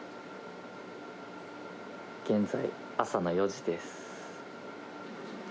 現在、朝の４時です。